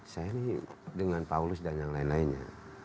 saya ini dengan paulus dan yang lain lainnya